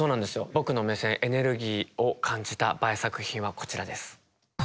僕の目線「エネルギー」を感じたＢＡＥ作品はこちらです。